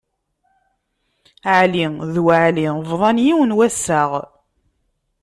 Ɛli d Weɛli bḍan yiwen wassaɣ.